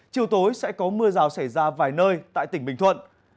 chiều tối sẽ có mưa rào xảy ra vài nơi tại tỉnh bình thuận